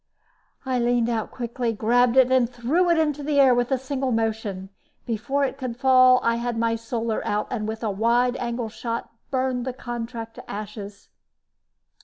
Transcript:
I leaned out quickly, grabbed it and threw it into the air with a single motion. Before it could fall, I had my Solar out and, with a wide angle shot, burned the contract to ashes.